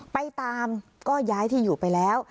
ไปตามก็ย้ายที่อยู่ไปแล้ว